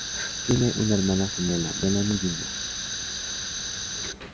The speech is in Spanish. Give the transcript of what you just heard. Tiene una hermana gemela, Melanie Binder.